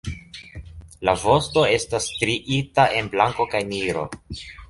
La vosto estas striita en blanko kaj nigro.